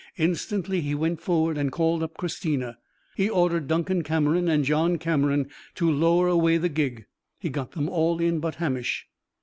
Instantly he went forward and called up Christina. He ordered Duncan Cameron and John Cameron to lower away the gig. He got them all in but Hamish.